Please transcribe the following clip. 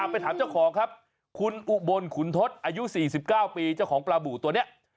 ไปถามเจ้าของครับคุณอุบลขุนทศอายุ๔๙ปีเจ้าของปลาบูตัวนี้